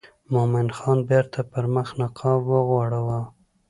مومن خان بیرته پر مخ نقاب وغوړاوه.